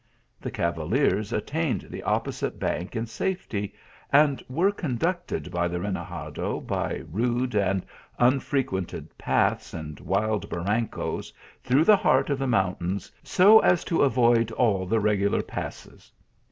The cavaliers at tained the opposite bank in safety, and were con ducted by the renegado, by rude and unfrequented paths, and wild barrancos through the heart of the mountains, so as to avoid all the regular passes.